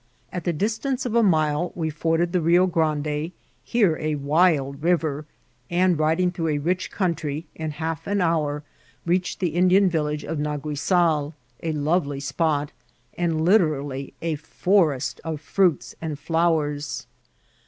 At the distance of a mile we forded the Rio Ghrande, here a wild river, and riding through a rich comitry, in half an hour reached the Indian village of Naguiaal, a lovely flpot, and literally a forest of fruits and flowers.